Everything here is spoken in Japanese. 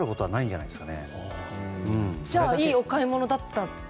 じゃあいいお買い物だったと？